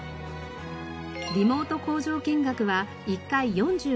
リモート工場見学は１回４５分。